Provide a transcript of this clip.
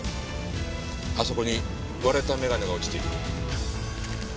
あそこに割れた眼鏡が落ちている。